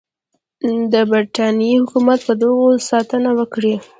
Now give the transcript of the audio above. د برټانیې حکومت به د هغوی ساتنه وکړي.